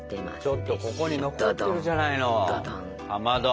ちょっとここに残ってるじゃないのかまど。